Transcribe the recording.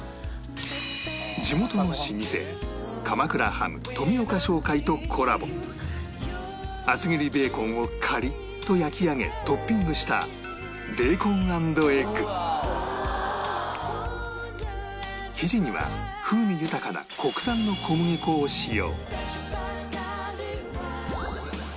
地元の老舗厚切りベーコンをカリッと焼き上げトッピングした生地には風味豊かな国産の小麦粉を使用